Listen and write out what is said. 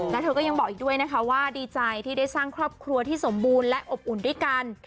แล้วเธอก็ยังบอกอีกด้วยนะคะว่าดีใจที่ได้สร้างครอบครัวที่สมบูรณ์และอบอุ่นด้วยกัน